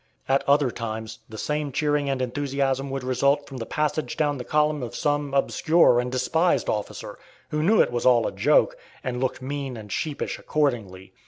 At other times, the same cheering and enthusiasm would result from the passage down the column of some obscure and despised officer, who knew it was all a joke, and looked mean and sheepish accordingly.